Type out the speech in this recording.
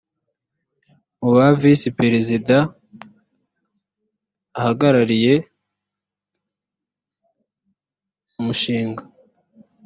mu ba visi perezida ahagarariye umushinga